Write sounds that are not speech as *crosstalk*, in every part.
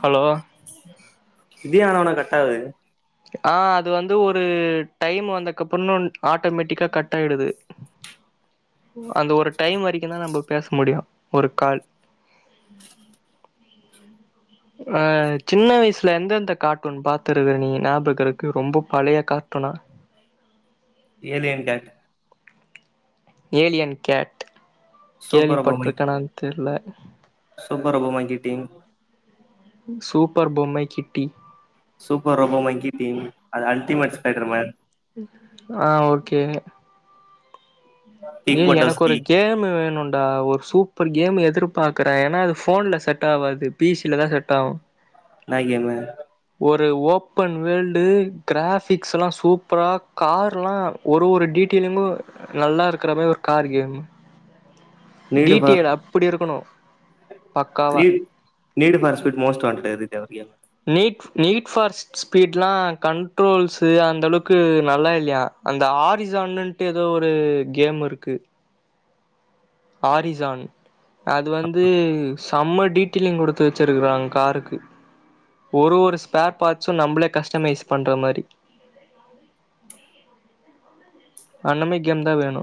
Hello. இதே ஆஊனா கட்டாகுது. ஆஹ அது வந்து ஒரு டைம் வந்தக்கப்புறோ ஆட்டோமேட்டிக்கா கட் ஆயிடுது. அந்த ஒரு டைம் வரைக்குதா நம்ம பேச முடியு ஒரு கால். ஆஹ சின்ன வயசுல எந்தெந்த கார்ட்டூன் பாத்துருக்கு நீ ஞாபகருக்கா ரொம்ப பழைய கார்ட்டூனா. Alien character. Alien cat. Super அபோ கேள்விப்பட்டிருக்கனான்னு தெரியல. Super பொம்ங்கி team. சூப்பர் பொம்மை கிட்டி. சூப்பர் ரோபோ மங்கி டீம் அது அல்டிமேட் ஸ்பைடர் மேன். ஆஹ ஓகே. கிக் ஏ எனக்கு ஒரு பட்டோஸ்கி கேம்மு வேணும். டா ஒரு சூப்பர் கேம் எதிர்பாக்குற ஏன்னா அது போன்ல செட் ஆவாது பிசிலதா செட் ஆகு. என்ன கேம்மு. ஓப்பன் வேல்டு கிராபிக்ஸ்ல்லா சூப்பரா கார்லா ஒரு ஒரு டீட்டலங்கு நல்லா இருக். க்கறமே ஒரு கார் கேம்மு. டிடிஏ டா அப்படி இருக்கணு. நீ் நீடு ஸ்பார் ஸ்மிட் மோஸ்ட் வாண்டடு இது ஒரு கேம்மு. நீட் நீட் ஸ்பார் ஸ்பீட்ல்லா கண்ட்ரோல்ஸ் அந்த அளவுக்கு நல்லா இல்லையா அந்த ஆரிசான்னன்ட்டு ஏதோ ஒரு கேம் இருக்கு. ஆரிசான் அது வந்து செம்ம டீட்டெலிங் குடுத்து வச்சிருக்கறாங்க காருக்கு. ஒரு ஒரு ஸ்பேர் பார்டஸும் நம்மளே கஸ்டமைஸ் பண்ற மாரிஹ அண்ணமை கேம்தா வேணு.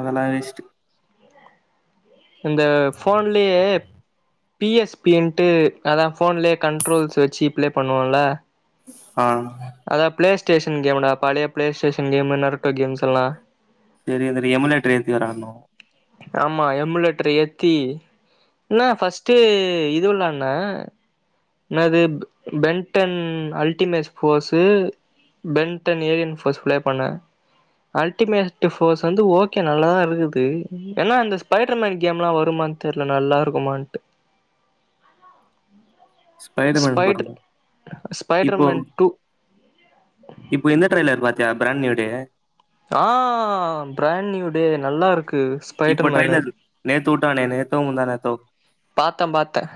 அதெல்லா வேஸ்ட்டு. இந்த போன்லயே. பிஎஸ்பிஎன்ட்டு அதா போன்லயே கண்ட்ரோல்ஸ் வச்சு ப்ளே பண்ணுவோம்ல. ஆஹ. ஸ்டேஷன் கேம்டா பழைய play station game Naruto games எல்லா. சேரி அந்த எமலேட்டரேத்தி வெளாடனு. ஆமா எம்ளட் எத்தி என்ன ஃப்ஸ்ட்டு இது விளாண னேது Ben Ten ultimates force Ben Ten alien force play பண்ணன் அல்டிமேஸ்டு ஃபோர்ஸ் வந்து ஓகே நல்லாதான் இருக்குது ஏன்னா அந்த ஸ்பைடர்மேன் கேம்லாம் வருமானு தெரில நல்லா இருக்குமான்ட்டு ஸ்பைடர்மேன் படம் ஸ்பைடர் தான் இப்போ ஸ்பைடர்மேன் டூ இப்போ எந்த ட்ரெய்லர் பாத்தியா பிராண்நியூடே ஆ பிராண்ட் நியூடே நல்லா இருக் இப்ப ட்ரெய்லர் நேத்து வுட்டானே நேத்தூம் முந்தான தோ பாத்தன் பாத்தன்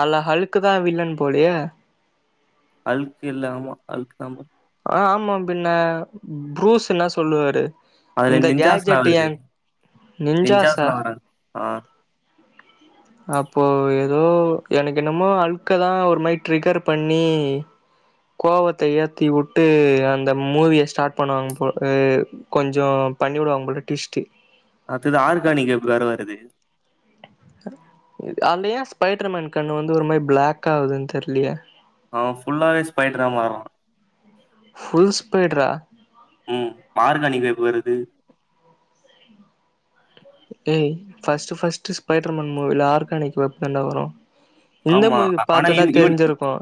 அல்லா ஹழுக்கு தான் வில்லன் போலேயே அழுக்கு இல்ல ஆமா அழுக்கு தான் பா ஆமாம் பின்ன புரூஸ் என்ன சொல்லுவாரு அதுல இந்த நிஞ்சாஸ்லா கேஜெட் வருது ஏன் நிஞ்ஜசா நிஞ்சாஸ்லா வராங்க ஆ அப்போ ஏதோ எனக்கு என்னமோ அல்க்கு தான் ஒரு மாரி ட்ரிகர் பண்ணி கோவத்த ஏ த்தி வுட்டு அந்த மூவியை ஸ்டாட் பண்ணுவாங்க போல எ கொஞ்சோ பண்ணிவிடுவாங்க போல டுவிஸ்ட்டு அடுத்தது ஆர்கானிக் எப்வேர வருது அந்த ஏன் ஸ்பைடர்மேன் கண்ணு வந்து ஒரு மாரி பிளாக் ஆவுதுன்னு தெரியலையே அவன் ஃபுல்லாவே ஸ்பையிட்டரா மார்ரான் ஃபுல்ஸ்பெய்ட்ரா உம் ஆர்கானிக் வேம் வருது ஏய் ஃபஸ்ட்டு ஃபஸ்ட்டு ஸ்பைடர் மேன் மூவில ஆர்கானிக் வெப்பன் தான் வரோம் இந்த ஆமா மூவி ஆனா பாத்து இந்தா இவ் இவன் தெரிஞ்சியிருகோம்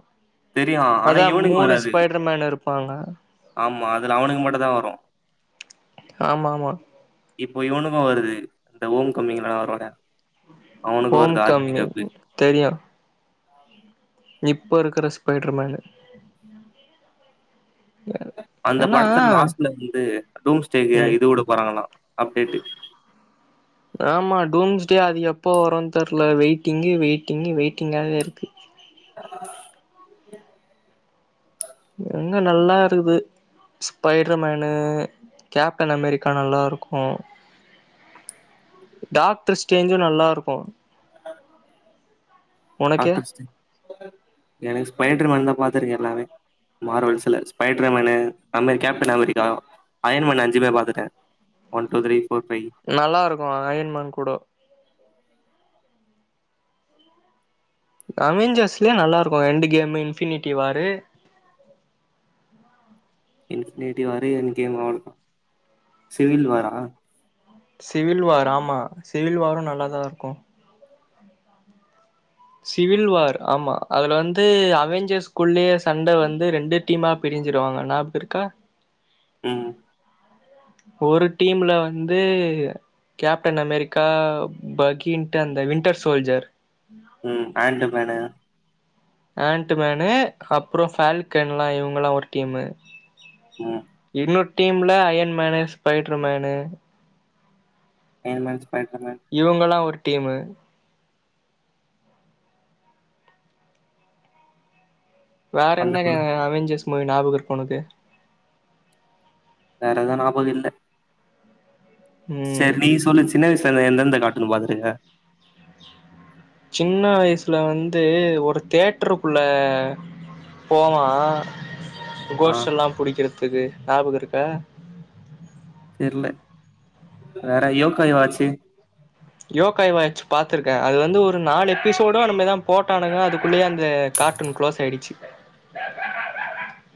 தெரியு ஆனா அதான் இவனுக்கு மூணு வராது ஸ்பைடர்மேன் இருப்பாங்க ஆமா அதுல அவனுக்கு மட்டுந்தா வரு ஆமா ஆமா இப்போ இவனுக்கும் வருது இந்த ஓம் கமிங்களெல்லாம் அரோட ஹோம் கம்மி தெரியும் இப்ப இருக்கற ஸ்பைடர் மேனு அந்த படத்துல லாஸ்ட்ல வந்து டூம் ஸ்டேய்யாய் ம் இது வுட போறாங்களாம் அப்டேட்டு ஆமாம் டூம்ஸ்டே அது எப்போ வரோம்ன்னு தெரல வெயிட்டிங்கு வெயிட்டிங்கு வெயிட்டிங்காவே இருக்கு ஆ *inaudible* எங்க நல்லா இருக்குது ஸ்பைடர்மேனு கேப்டன் அமெரிக்கா நல்லா இருக்கோம் டாக்டர்ஸ்டேஞ்சும் நல்லா இருக்கோம் *inaudible* உனக்கு எனக்கு ஸ்பைடர் மேன் தா பாத்துருங்க எல்லாமே மார்வல்ஸ்ல ஸ்பைட்ருமேனு அம்மே கேப்டன்அமேரிக்கா அயன் மேணு அஞ்சுமே பாத்துட்டேன் ஒன் டூ த்ரி நல்லா இருக்கோம் அயன்மன் கூடோ அமிஞ்ஸ்லயே நல்லா இருக்கோம் ரெண்டு கேம்மு இன்பினிட்டி வாரு இன்பினிட்டி வாரு என் கேம் அவ்ளவு தான் சிவில் வாரா சிவில் வார் ஆமா சிவில் வாரும் நல்லா தா இருக்கும் சிவில் வார் ஆமா அதுல வந்து அவஞ்சர்ஸ்குள்ளேயே சண்டை வந்து ரெண்டு டீமா பிரிஞ்சிருவாங்க ஞாபக இருக்கா உம் ஒரு டீம்ல வந்து கேப்டன் அமெரிக்கா பகின்ட்டு அந்த வின்டர் சோல்ஜர் உம் ஆன்டம் வேண ஆன்ட்டுமேனு அப்ரோ ஃப்பால்கேல்கன்ல்லாம் இவங்கல்லாம் ஒரு டீம்மு ம் இன்னொரு டீம்ல அயன் மேனு ஸ்பைடர் மேனு ஏன் என்னாச்சி இவங்கல்லா ஒரு டீமு வேற அந்த என்ன க படம் அவெஞ்சர்ஸ் மூவி ஞாபக இருக்கு உனக்கு வேறதும் நாபக இல்ல சரி ம் நீ சொல்லு சின்ன வய்சுல எந்தந்த காட் பாத்ருக்க சின்ன வயசுல வந்து ஒரு தேட்டருக்குள்ள போவான் ஆ கோஷ்ட் எல்லாம் புடிக்கிறது க்கு ஞாபக இருக்கா தெர்ல வேற யோகை வாட்ச்சி யோகாய் வாட்ச் பாத்துருக்கேன் அது வந்து ஒரு நாலு எபிசோடோ அந்த மாரி தான் போட்டானுங்க அதுக்குள்ளயே அந்த கார்ட்டூன் க்ளோஸ் ஆயிடுச்சு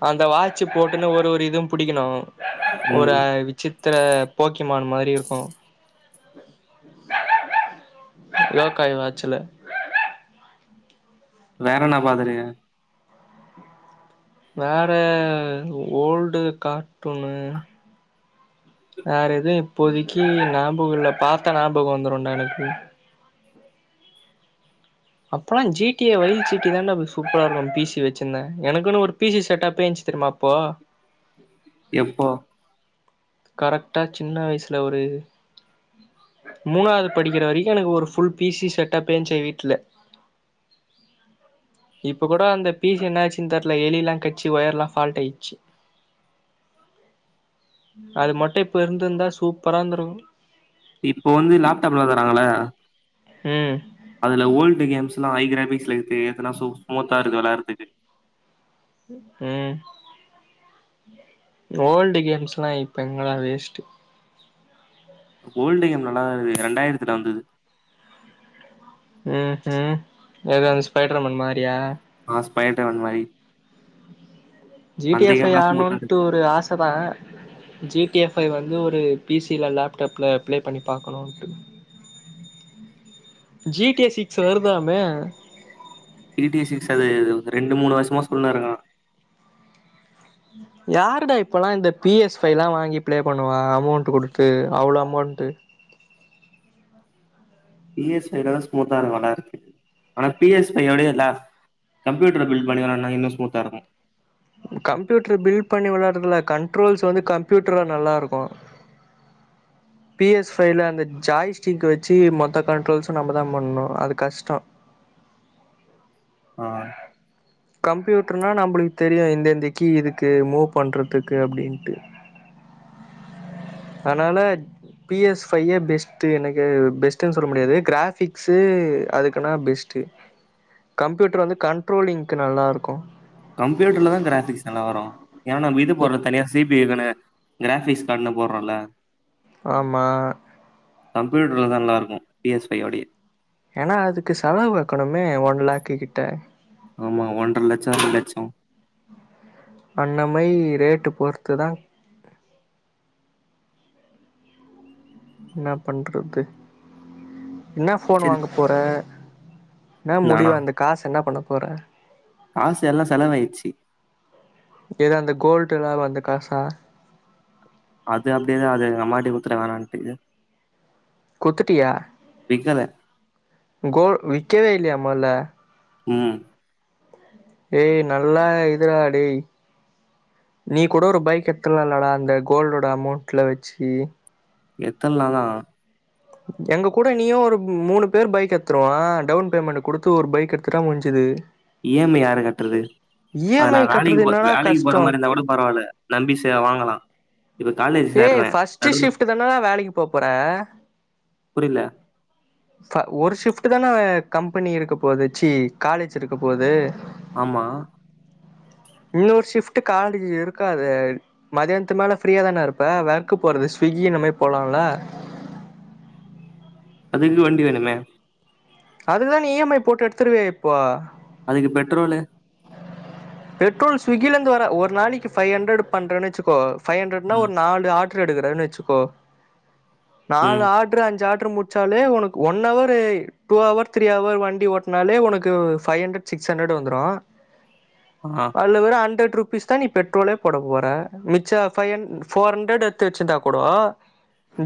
அந்த வாட்சு போட்டுன்னு ஒரு ஒரு இதுவும் புடிக்கணும் ம் ஒரு விஷித்திர போக்கிமான் மாரி இருக்கும் யோக்காய் வாட்ச்ல வேற என்ன பாத்திருக்க வேற ஓல்டு கார்ட்டூன்னு வேற எதும் இப்போதிக்கி ஞாபகம் இல்ல பாத்தா ஞாபகம் வந்துரும் டா எனக்கு அப்பெல்லாம் ஜி டி ஏ *unintelligible* சீட்டி தான் சூப்பரா இருக்கும் பிசி வச்சிருந்தேன் எனக்குன்னு ஒரு பி சி செட்டப்பே இன்சி தெரியமா அப்போ எப்போ கரெக்டா சின்ன வைஸ்ல ஒரு மூணாவது படிக்கிற வரைக்கு எனக்கு ஒரு ஃபுல் பி சி செட்டப்பேஞ்சு வீட்ல இப்ப கூட அந்த பீசி என்னாச்சுன்னு தெர்ல எலிலா கச்சி ஒயர்ல்லா ஃபால்ட் ஆயிச்சி அது மட்டும் இப்ப இருந்திருந்தா சூப்பரா இருந்துருகு இப்போ வந்து லேப்டாப்ல தராங்கள ம் அதுல ஓல்டு கேம்ஸ்ல்லா ஹை கிராபிக்ஸ்ல இருக்து ஏத்துனா சு ஸ்மூத்தா இருக்கு வெலாடுறதுக்கு உம் ஓல்டு கேம்ஸ்ல்லா இப்ப எங்கடா வேஷ்ட்டு கோல்டு கேம் நல்லா இருது இரண்டாயிரத்துல வந்தது அ அ ஏதாவது ஸ்பைடர்மேன் மாரியா ஆஸ்பயட்ஒன் பை ஜி டி எஃப் ஐ ஆட்னுட்டு ஒரு ஆச தான் பி எஃப் ஐ வந்து ஓரு பீசில்ல லேப்டாப்ல ப்லே பண்ணி பாக்கனுட்டு ஜி டி யே சிக்ஸ் வருதான ஜி டி ஏ சிக்ஸ் அது ரெண்டு மூணு வருசமா சொல்ன்னு இருக்கா யாருடா இப்பல்லா இந்த பி எஸ் ஃபை பைல்லாம் வாங்கி பிளே பண்ணுவா அமௌண்ட்டு குடுத்து அவ்ளோ அமௌண்ட்டு பி எஸ் ஃபை தா ஸ்மூத்தா நல்லா இருக்கு ஆனா P S five யோடயே *unintelligible* computer bill பண்ணி வந்தா இன்னும் ஸ்மூத்தா இருக்கும் கம்ப்யூட்டரு பில்ட் பண்ணி வெலாடுறதுல கண்ட்ரோல்ஸ் வந்து கம்ப்யூட்டர்ல நல்லா இருக்கும் பி எஸ் ஃபைல அந்த ஜாய் ஸ்டிக் வச்சி மொத்த கண்ட்ரோல்ஸும் நம்மதா பண்ணும் அது கஷ்டோ அ ஆ கம்ப்யூட்டர்னா நம்பளுக்கு தெரியும் இந்தந்த கீ இதுக்கு மூவ் பண்றதுக்கு அப்டின்ட்டு அதனால பி எஸ் ஃபையே பெஸ்ட்டு எனக்கே பெஸ்ட்டுனு சொல்ல முடியாது கிராஃப்பிக்ஸ்சு அதுக்குனா பெஸ்ட்டு கம்ப்யூட்டர் வந்து கண்ட்ரோலிங் க்கு நல்லாருக்கும் கம்யூட்டர்ல தான் கிராபிக்ஸ் நல்லா வரும் ஏ நம் இது போடற தனியா சிபி *unintelligible* கிராபிக்ஸ் கார்டன்ன போட்றான்ல ஆமா கம்பியூட்டர்ல தான் நல்லா இருக்கும் பிஎஸ் பையோடே ஏனா அதுக்கு செலவு வைக்கணுமே ஒன் லேக்கு கிட்ட ஆமா ஒன்றர லட்சம் ரெண்டு லட்சம் அன்னமை ரேட்டு பொறுத்துதான் என்னா பண்றது என்னா போன் சரி வாங்க போற என்ன நானா முடியவு அந்த காசு என்ன பண்ணு க்குற காசு எல்லாம்செலவாச்சி ட்டலாம் வந்த காசா அது அப்படியேதான் அது எங்கமாட்டி குத்துட வேணான்டு குத்துடியா *inaudible* கோல் விக்கவேல்லையா மொதல்ல ஹூம் ஏய் நல்லா இதுராட டேய் நீ கூட ஒரு பைக் எத்துலா இல்லாடா அந்த கோல்டோட அமௌண்ட்ல வச்சி எத்தன் நாலா எங்க கூட நீயும் ஒரு மூணு பேர் பைக் எடுத்துருவான் டவுன் பேமெண்ட் கொடுத்து ஒரு பைக் எடுத்துட்டா முடிஞ்சுது இஎம்ஐ யாரு கட்டுறது இ அது எம் ஐ நான் வேலைக்கு கட்டுறது போ என்னடா வேலைக்கு போற கஷ்டோ மாதிரி இருந்தா கூட பரவாயில்ல நம்பி ச வாங்கலாம் இப்ப காலேஜ் ஏய் சேர்றேன் ஃபர்ஸ்ட் கட்ற ஷிஃப்ட் தானடா வேலைக்கு போ போற புரில ஒரு ஷிப்ட் தானே கம்பெனி இருக்க போகுது ச்சி காலேஜ் இருக்க போகுது ஆமா இன்நொறு ஷிஃப்ட் காலேஜ் இருக்காது மதியானத்து மேல ஃப்ரீயா தானே இருப்ப வெர்கு போறது ஸ்விகி இனமே போலால்ல அதுக்கு வண்டி வேணுமே அதுதான் நீ இஎம்ஐ போட்டு எடுத்துருவே இப்போ அதுக்கு பெட்ரோலு பெட்ரோல் ஸ்விக்கில இருந்து வரேன் ஒரு நாளைக்கு ஃவவ் ஹண்ட்ரட் பண்றேன்னு வச்சுக்கோ பைவ் அண்ட்ரட் நா ம், ஒரு நாலு ஆ எடுக்கறனு வச்சுக்கோ நாலு ம், ஆர்ட்ரு அஞ்சு ஆட்ரு முடிச்சாலே உனக்கு one hour two hour three hour வண்டி ஓட்னாலே ஃபைவ் ஹண்ட்ரட் சிக்ஸ் ஹண்ட்ரட் வந்துடும் ஆ, அதுல்ல வெறும் அண்டரட் ருஸ் தான் நீ பெட்ரோலே போட போற மிச்சம் பைவ் போர்ஹண்ட் எத்துச்சிருந்தா கூட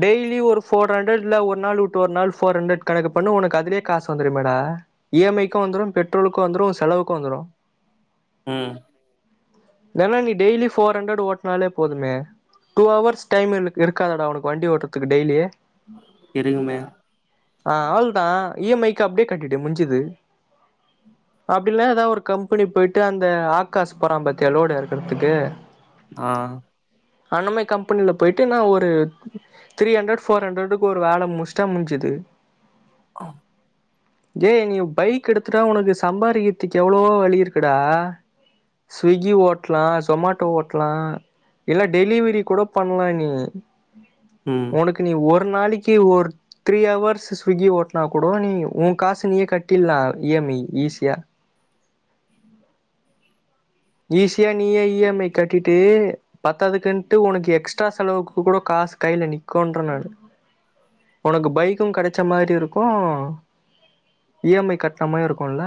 டெய்லி ஒரு போர் ஹண்ட் இல்ல ஒரு நாள்வுடு ஒரு நாள் போர் ஹண்ட் கணக்கு பண்ணு உனக்கு அதுலயே காசு வந்துரும் மேடா இஎம்ஐக்கும் வந்துடும் பெட்ரோலுக்கும் வந்துடும் செலவுக்கும் வந்துடும் உம் தெனோ நீ டெய்லி போர்ஹண்ட்ரட் ஓட்டனாலே போதுமே டூ ஹவர்ஸ் டைம் இருக்கயிலடா உனக்கு வண்டி ஓட்டுறதுக்கு டெய்லி இருங்மே ஆஹ் அவ்ள்தான் இஎம்ஐக்கு அப்டியே கட்டிடு முஞ்சது அப்படில ஏதாவது ஒரு கம் இப்பனி நீ போயிடு அந்த ஆகாஷ் பொறாம் பாத்தியா லோட் எரக்கறதுக்கு ஆஹ் அனமே கம்பெனில போயிட்டு நான் ஒரு த்ரீ ஹண்டரட் போர் ஹண்ட்ரடுக்கு ஒரு வேலை முஸ்டா முஞ்ஜிது ஆஹம் ஏய் நீ உன் பைக் எடுத்துட்டா உனக்கு சம்பாரிக்கத்துக்கு எவ்வளோவோ வழி இருக்குது இருக்கடா ஸ்விக்கி ஓட்டலா ஜொமேட்டோ ஓட்டலா இல்ல டெலிவரி கூட பண்லா நீ ம். உனக்கு நீ ஒர் ஒரு நாளைக்கு ஒரு த்ரீ வர்ஸ் ஸ்விக்கி ஓட்டனா கூட நீ உன் காசு நீயே கட்டலாம் இஎம்ஐ ஈஸியா ஈஸியா நீய இஎம்ஐ கட்டிட்டு பத்ததுக்குன்ட்டு உனக்கு எக்ஸ்ட்ரா செலவுக்கு கூட காசு கையில நிக்குன்ற நா உனக்கு பைக்கும் கெடைச்ச மாதிரி இருக்கும் இஎம்ஐ கட்டின மாதிரி இருக்கும்ல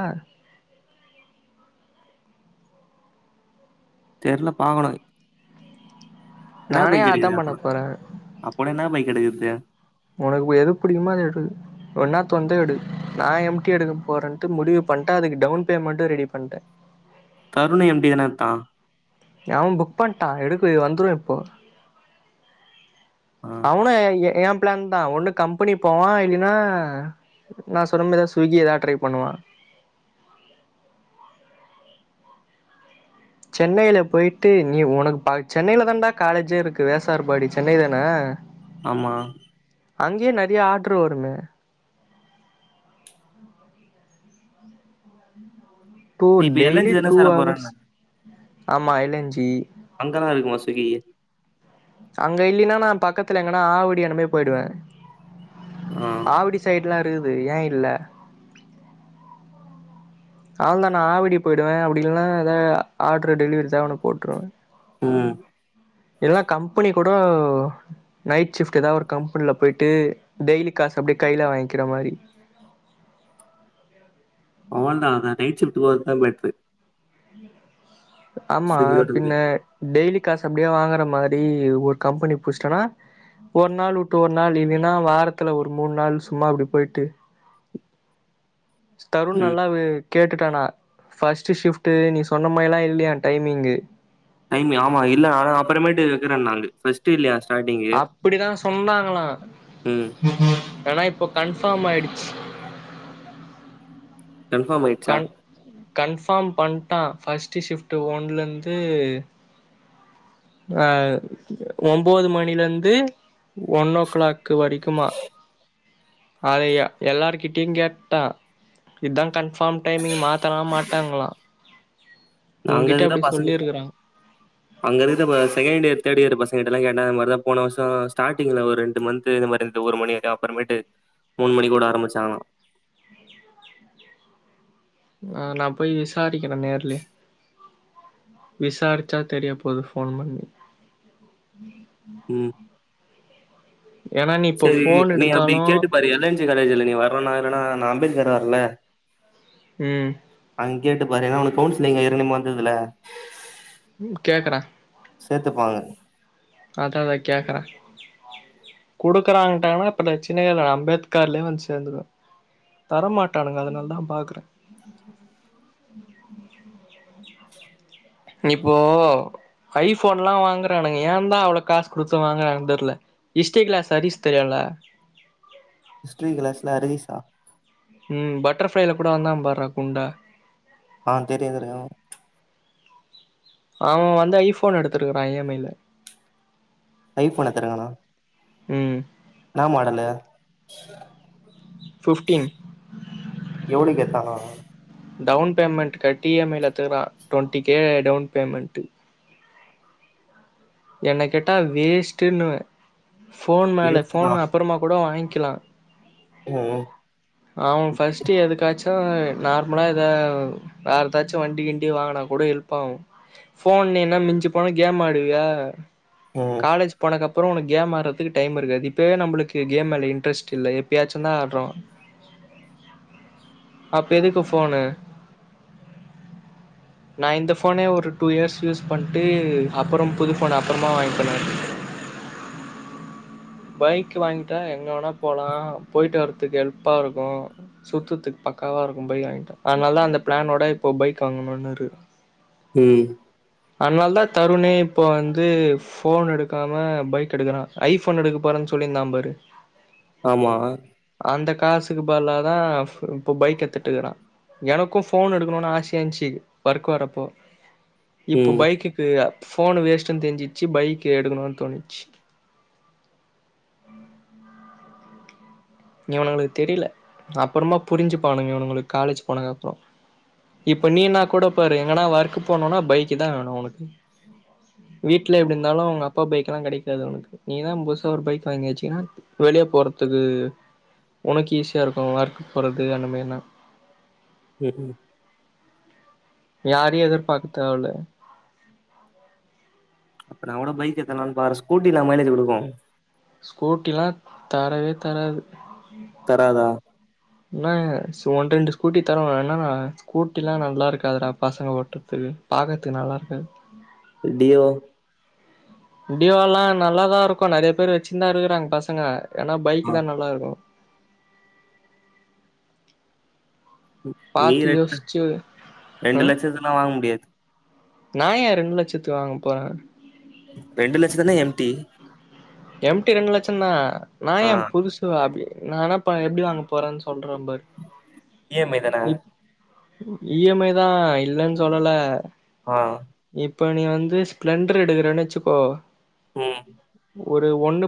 தெர்ல பாகலை நானே அததான் பண்ண போறேன் அப்பனா என்னா பைக் எடுக்குறது? உனக்கு எது பிடிக்குமா அது எது ஒன்னா தொன்டு எடு நான் எம்டி எடுக்க போகறேன்ட்டு முடிவு பண்ணிட்டேஅதுக்கு டவுன் பேமெண்ட்டும் ரெடி பண்ணிட்டே தருணை எப்டி என தான் அவன் புக் பண்ட்டான் எடுக்கு வந்துடும் இப்போ ஆ, அவன ஏ எம் பிளான் தான் ஒன்னு கம்பெனி போவான் இல்லைன்னா நான் சொன்ன மாதிரி ஏதாவது ஸ்விக்கி ஏதாவது ட்ரை பண்ணுவா சென்னையில போயிட்டு நீ உனக்கு பா சென்னையில தான்டா காலேஜே இருக்கு வேசார்பாடி சென்னை தானே ஆமா அங்கேயே நெறைய ஆர்டரு வருமே டூ நீ இப்ப எல் என் டெய்லி ஜி தான டூ சேர அவவர்ஸ் போறன்ன? ஆமா இலஞ்சி *unintelligible* அங்க இல்லின்னா நான் பக்கத்துல எங்கன்னா ஆவடி அந்மாரி போயிடுவே ஆ, ஆவுடி சைடு எல்லாம் இருக்குது ஏன் இல்ல ஆள் தான் நான் ஆவடி போயிடுவேன் அப்படியில்லா நா ஏதாவது ஆர்டரு டெலிவரி சவனப் போட்டுருவேன் உஹம் எல்லாம் கம்பெனி கூட நைட் ஷிப்ட் ஏதாவது ஒரு கம்பெனில போயிட்டு டெய்லி காசு அப்படியே கையில வாங்கிக்கிற மாரி ஓண்டா தா நைட் சிப்ட் போத்தான் பெட்ரு ஆமா சுகி பின்ன ஓட்டறது. டெய்லி காசு அப்படியே வாங்குற மாதிரி ஒரு கம்பெனி புடிச்சிட்டனா ஒரு நாள் விட்டு ஒரு நாள் இல்லனா வாரத்துல ஒரு மூணு நாள் சும்மா அப்டி போயிட்டு தருண் ம். நல்லா கேட்டுட்டானா ஃபர்ஸ்ட் ஷிஃப்ட் நீ சொன்ன மாரிலால்லாம் இல்லையா டைமிங்கு டைம் ஆமா இல்ல ஆனா அப்புறமேட்டுைக்கிறேன் நாலு ஃபஸ்ட்இல்லா டாஸ்டு அப்டிதான் சொன்னாங்களா ம். *inaudible* ஏன்னா இப்போ கன்ஃபார்ம் ஆயிடுச்சு கன்ஃபாம் ஆயிடுச்சா கன் கன்ஃபார்ம் பண்ணிட்டா ஃபர்ஸ்ட்டு ஷிஃப்டு ஒன்லேந்து ஆ ஒன்பது மணில இருந்து ஒன் ஓ கிளாக் க்கு வடிக்குமா அதையா எல்லாரு கிட்டும் கேட்டா இதுதா கன்பார்ம் டைமிங் மாத்தலா மாட்டாங்ளா நாங்க இதுக்கு தான் பசங்க அங்க இருந்து செகண்ட் இயர் தேர்ட் இயர் பசங்கிட்ட எல்லாம் கேட்டா அது மாதிரிதான் போன வருஷம் ஸ்டார்டிங்ல ஒரு ரெண்டு மந்த் இந்த மாதிரி இரு ஒரு மணி அப்புறமேட்டு மூணு மணி கூட ஆரம்பிச்சாங்களாம் ஆஹ் நா போய் விசாரிக்கிறேநேர்லே விசாரிச்சா தெரிய போது போன் பண்ணி உம் ஏனா நீ இப்போ சேரி ஃபோன் நீ அப்படி எடுத்தாலு கேட்டு பாரு எல்என்ஜி காலேஜ்ல நீ வரனா ஏன்னனா நான் அம்பேத்கர் வர்ல உஹம் கேட்டு பாரு ஏன்னா உனக்கு கவுன்சிலிங் ஏர்கனமே வந்ததுல கேக்குறே சேத்துப்பாங்க அதான் அதான் கேக்குறேன் குடுக்குறாங்கட்டான்னா அப்பற சின்ன கத அம்பேத்கர்லயே வந்து சேர்ந்துவன் தரமாட்டானுங்க அதனாலதான் பாக்குறேன் இப்போ ஐபோன் எல்லாம் வாங்கறானுங்க ஏ தான் அவ்வளவு காசு குடுத்து வாங்குறனு தெரியல இஸ்டேக்கலா சரீஸ் தெரியல ஹிஸ்டரி கிளாஸ்ல ஹரிசா உம் பட்டர்ஃளைல கூட வந்தான் பார்ரா குண்டா ஆஹ தெரியும் தெரியும் அவன் வந்து ஐபோன் எடுத்துருக்கறான் இஎம்ஐல ஐபோன் எத்தரங்கானா உம் என்னா மாடலு ஃபிப்டீன் எவனக்கு எடுத்தங்கோ டவுன் பேமெண்ட கட்டி இஎம்ஐல எடுத்துக்கலாம் டவெண்ட்டி கே டவுன் பேமெண்ட் என்னைகேட்டாவேஸ்ட்ன்னுவே போன் மேல வேஸ்ட்டுதா போன் அப்புறமா கூடவாங்கி கிலா ம் அவன் பஃர்ஸ்ட் எதுக்காச்சு ம் நார்மலாக இத வேறுதாச்சும் வண்டி கிண்டி வாங்கினா கூட ஹெல்ப் ஆகும் ஃபோன் என்ன மிஞ்சி போனா கேம் ஆடுவியா ம் *inaudible* காலேஜ் போனாக்கப் அப்புறம் உனக்கு கேம் ஆடுறதுக்கு டைம் இருக்காது இப்பவே நம்மளுக்கு கேம் மேல இன்ட்ரெஸ்ட் இல்லை எப்பயாச்சும் தான் ஆடுறோம் அப்பறம் எதுக்குபோனு நான் இந்த போனேஒரு டூ இயர்ஸ் யூஸ் பண்ணிட்டு அப்புறம் புது போன் அப்புறமா வாங்கலானுட்டு பைக் வாங்கிட்டா எங்க வேணா போலாம் போயிட்டு வரதுக்கு ஹெல்ப்பா இருக்கும் சுத்ததுக்கு பக்காவா இருக்கும் பைக் வாங்கிட்டா அதனால தான் அந்த பிளானோட இப்போ பைக் வாங்கணும் நாறு உம் அதனால தான் தருணே இப்ப வந்து போன் எடுக்காம பைக் எடுக்கறான் ஐபோன் எடுக்க போறேன்னு சொல்லியிருந்தா பாரு ஆமா பதுலா தா இப்ப பைக் எடுத்து இருக்கிறான் எனக்கும் போன் எடுக்கணும்னு ஆசைய இருந்துச்சு ஒர்க் வரப்போ இப்போ ம் பைக்குக்கு ஃபோன் வேஸ்ட்டுன்னு தெரிஞ்சிச்சி பைக் எடுக்கணுன் தோணிர்ச்சி இவனுங்களுக்கு தெரில அப்பறமா புரிஞ்சுபானுங்க இவனுங்களு காலேஜ் போனகப்றோ இப்ப நீன்னா கூட பாரு எங்கனா ஒர்க்கு போனுன்னா பைக்கு தா வேணு உனக்கு வீட்ல எப்டி இந்தாலு உங்க அப்பா பைக்லா கெடைக்காது ஒனக்கு நீதா புதுசா ஒரு பைக் வாங்கி வச்சிகினா வெளிய போறதுக்கு உனக்கு ஈஸியா இருக்கு ஒர்க்கு போறது அந்த மாரினா ம் ம் யாரையு எதிர்பாக்க தேவல்ல அப்ப நாகூட பைக் எத்தலான் பாக்குறெ ஸ்கூட்டில மைலேஜு குடுக்கு ஸ்கூட்டில்லா தரவே தராது தராதா இன்னாங்க து ஒன் ரெண்டு ஸ்கூட்டி தரு ஆனா ஸ்கூட்டிலா நல்லா இருக்காதுடா பசங்க ஓட்றதுகு பாக்கற்து நல்லா இருக்காது டியோ டியோல்லா நல்லாதா இருக்கு நெறைய பேர் வச்சின்தா இருக்குறாங் பசங்க ஏன்னா ஆ. பைக் தா நல்லாருக்கு நீ பாத்து யோசிச்சு *inaudible* ஆ ரெண்டு லச்சத்துல்லா வாங்க முடியாது நா ஏ ரெண்டு லச்சத்து வாங்க போறே ரெண்டு லட்ச தானே எம் டி எம் டி ரெண்டு லட்சந்தா நா ஏ புதுசு *unintelligible* நா வேணா இப்ப எப்டி வாங்க போறன் சொல்றம் பாரு இ எம் ஐ தான இ இ எம் ஐ தா இல்லன் சொல்லல ஆ இப் ப நீ வந்து ஸ்ப்ளெண்டர் எடுக்கிறன் வச்சுக்கோ ம் ஒரு ஒன்னு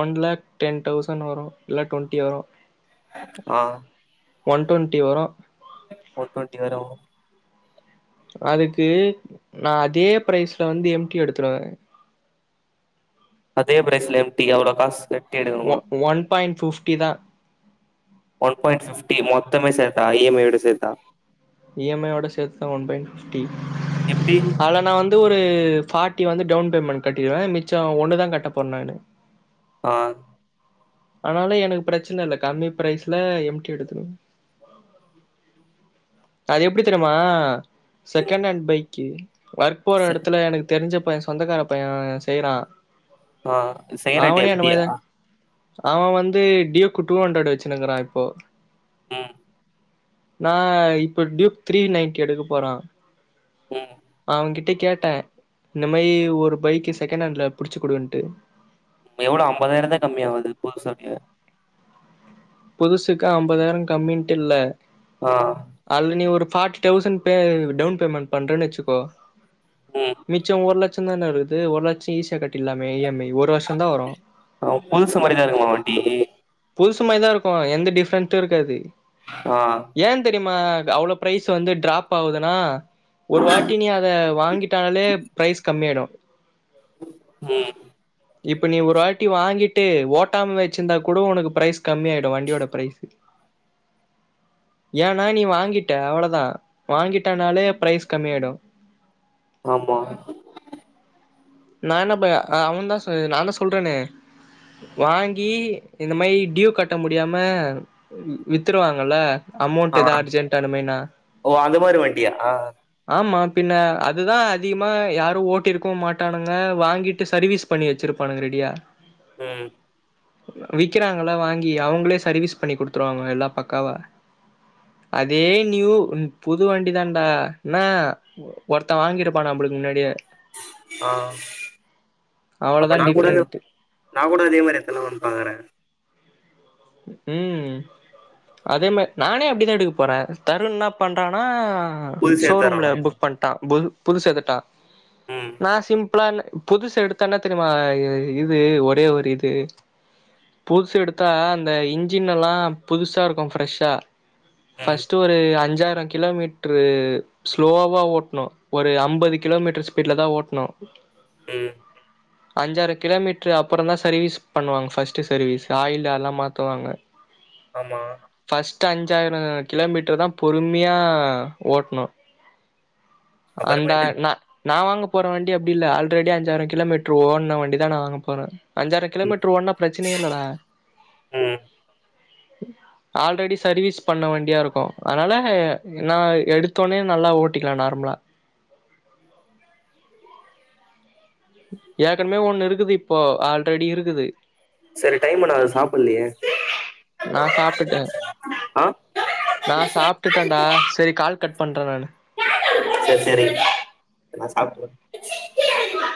ஒன் லேக் டென் தௌசண்ட் வரு இல்ல டொண்ட்டி வரு ஆ ஒன் ட்வெண்டி வரு ஒன் டொன்டி வரு அதுக்கு நா அதே பிரைஸ்ல வந்து எம் டி எடுத்துருவே அதே பிரைஸ்ல எம் டீ கு எவ்ளோ காஸ் ஒ ஒன் பாயிண்ட் ஃபிஃப்டிதா ஒன் பாயிண்ட் ஃபிஃப்டி மொத்தமே சேர்த்தா இ எம் ஐ ஓட சேத்தா இ எம் ஐ யோட சேத்து தா ஒன் பாயிண்ட் ஃபிஃப்டி எப்டி ஆல நா வந்து ஒரு ஃபா ட்டி வந்து டவுன் பேமெண்ட் கட்டிடுவே மிச்ச ஒண்ணுதா கட்ட போற் நானு ஆ ஆனாலு எனக்கு பிரச்சன இல்ல கம்மி பிரைஸ்ல எம் டி எடுத்துருவ அது எப்டி தெரிமா ம் செகண்ட் ஹாண்ட் பைக்கு வர்க் போற ச இடத்துல எனக்கு தெரிஞ்ச சொந்தக்கார பையன் செய்யறான் ஆஹ் செகரட்டி எம் டீ யா அவன் வந்து டியோகு டூஹண்ரெட் வெச்சினுக்குறான் இப்போ உஹம் நா இப்ப டியூக் த்ரீ நைன்டி எடுக்க போறான் *inaudible* அவன்கிட்ட கேட்டே இந்த மாரி ஒரு பைக்கு செகெண்ட் ஹாண்ட்ல புடிச்சு குடுன்ட்டு எவ்ளோ ஐம்பதாயிர தா கம்மியாவுது புதுசவுடைய புதுசுக்கு அம்பதாயிரம் கம்மின்டில்ல ஆ அல்லு நீ ஒருப் forty thousand pay down payment பண்றேன்னு வச்சுக்கோ ம் மிச்சொ ஒருல தான இருக்குது ஒரு லட்சம் ஈசியா கட்டியர்லாமே இஎம்ஐ புதுசு மாரிதான் இருக்குமா வண்டி புதுசு மாதிதாருக்கோ எந்த டிஃப்ரென்டும் இருக்காது ஆஹ் மா அவ்வளோ பிரைஸ் வந்து டிராப் ஆவுதுனா ஒரு வாட்டி நீ அத வாங்கிட்டாலே பிரைஸ் கம்மியாயிடும். உஹம் இப்ப நீ ஒரு ஆட்டி வாங்கிட்டு ஓட்டாம வச்சிருந்தா, உனக்கு பிரைஸ் கம்மியாய்டும் வண்டியோட பிரைஸ் ஏன்னா நீ வாங்கிட்ட அவ்ளோதான். வாங்கிட்டனாலே பிரைஸ் கம்மியாடும் ஆமா *inaudible* நான் என்ன ப அவன் தா சொன்னது நா தா சொல்றனே வாங்கி இந்த மாரி டியூ கட்ட முடியாம வித்துருவாங்கல. அமௌண்ட் ஆ எதா அர்ஜென்டா *unintelligible* மேனா ஓ அந்த மாரி வண்டியா ஆ ஆ ஆமா பின்ன அதுதான் அதிகமா யாரும் ஓட்டிருக்கவும் மாட் டானுங்க வாங்கிட்டு சர்வீஸ் பண்ணி வெச்சிருப்பானுங்க ரெடியா உஹம் விக்கிறாங்களா வாங்கி அவங்ளே சர்வீஸ் பண்ணி குடுதுடுவாங்க எலா பக்காவ அதே நியூ புது வண்டிதான்டா ன ஒர்தன் வாங்கிருப்பான் நம்மளுக்கு முன்னாடியே ஆஹ் அப்ப நா அவ்வளோதான் கூட டிஃப்ரெண்ட் நா கூட அதே மாரி எத்தலாமா பாக்குறே உம் அதே மா நானே அப்படிதான் எடுக்க போறேன் தருண் என்ன பண்றானா ஹ புதுசு ஷோரூம்ல எத்தரலாமா புக் பண்டான் புல் புதுசெகடா ம் *unintelligible* நா சிம் *unintelligible* அப்டிலா இல்ல புதுசு எடுத்தா இன்னா தெரியுமா இது ஒரே ஒரு இது புதுசு எடுத்தா அந்த அந்த இஞ்சின் னெல்லாம் புதுசா இருக்கும் ஃப்ரெஷ்ஷா ம் ஃபர்ஸ்ட்டு ஒரு அஞ்சு அஞ்ஜாயிரம் கிலோமீட்ரு ஸ்லோவா ஓட்னும் ஒரு ஐம்பது கிலோமீட்ரு ஸ்பீட்ல தான் ஓட்ணு ம் அஞ்சாறு கிலோமீட்ரு அப்புறொந்தா சர்வீஸ் பண்ணுவாங்க ஃபர்ஸ்ட்டு சர்வீஸ் ஆயில் அல்லா மாத் துவாங்க ஆமா ட்டு அஞ்சாயரொ கிலோமீட்ரு தா பொறும்மியா ஓட்னு அந்தா அப்புறமேட்டு ந நா வாங்க போற வண்டி அப்டில்ல ஆல்ரெடி அஞ்சாயிரொ கிலோமீட்ரு ஓட்ன வண்டி தா நா வாங்க போற அஞ்சாயிர ம் கிலோமீட்ரு ஓட்னா பிரச்சனயே இல்லடா ம் ஆல்ரெடி சர்வீஸ் பண்ண வண்டியாருக்கு அனால நா எடுத்தோனே நல்லா ஓட்டிக்கலா நார்மலா ஏற்கனவே ஒன்னு இருக்குது இப்போ ஆல்ரெடி இருக்குது சரி டைம் ஆனா அது சாப்பிட்லையே நா சாப்டுட்டே ஆ நா சாப்டுட்டென்டா செரி கால் கட் பண்றெ நானு எ ச்சி கீல எறங்கி வா